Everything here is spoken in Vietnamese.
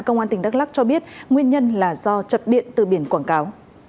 công an tỉnh đắk lắc cho biết nguyên nhân là do chập điện từ biển quảng cáo